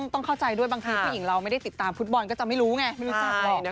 ต้องเข้าใจด้วยบางทีผู้หญิงเราไม่ได้ติดตามฟุตบอลก็จะไม่รู้ไง